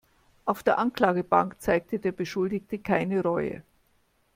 Auf der Anklagebank zeigte der Beschuldigte keine Reue.